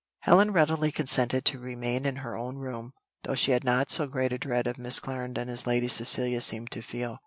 Helen readily consented to remain in her own room, though she had not so great a dread of Miss Clarendon as Lady Cecilia seemed to feel.